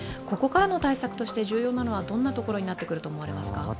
ここからの対策として重要なのはどんなことになってくると思われますか。